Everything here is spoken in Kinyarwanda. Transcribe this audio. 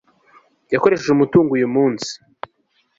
yakoresheje umutungo uyu munsi